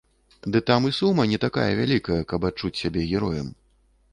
Ды там і сума не такая вялікая, каб адчуць сябе героем.